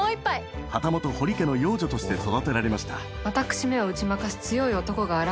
旗本、堀家の養女として育てられました。